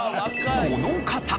この方。